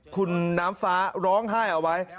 คุณน้ำฟ้าร้องไห้เอาไว้